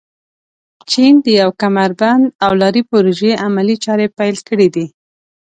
چین د یو کمربند او لارې پروژې عملي چارې پيل کړي دي.